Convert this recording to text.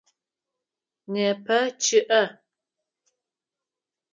Непэ чъыӏэ.